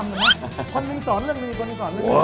ไม่รู้จักค่ะ